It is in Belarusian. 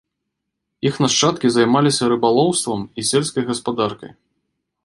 Іх нашчадкі займаліся рыбалоўствам і сельскай гаспадаркай.